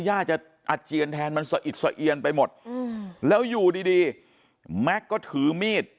ย่าจะอาเจียนแทนมันสะอิดสะเอียนไปหมดแล้วอยู่ดีดีแม็กซ์ก็ถือมีด